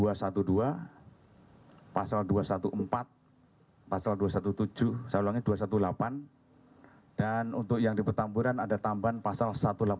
hai pasal dua ratus empat belas pasal dua ratus tujuh belas saling dua ratus delapan belas dan untuk yang di petamburan ada tambahan pasal